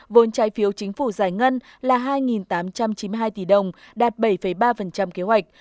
vốn trái phiếu chính phủ giải ngân là hai tám trăm chín mươi hai tỷ đồng đạt bảy ba kế hoạch